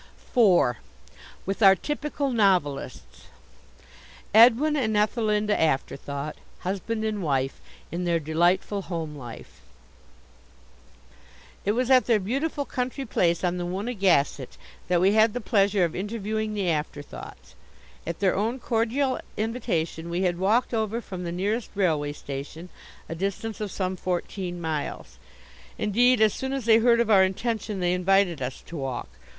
IV. WITH OUR TYPICAL NOVELISTS Edwin and Ethelinda Afterthought Husband and Wife In their Delightful Home Life. It was at their beautiful country place on the Woonagansett that we had the pleasure of interviewing the Afterthoughts. At their own cordial invitation, we had walked over from the nearest railway station, a distance of some fourteen miles. Indeed, as soon as they heard of our intention they invited us to walk.